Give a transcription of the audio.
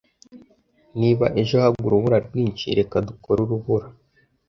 Niba ejo hagwa urubura rwinshi, reka dukore urubura.